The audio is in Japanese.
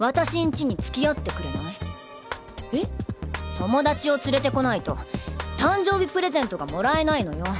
友達を連れてこないと誕生日プレゼントが貰えないのよ。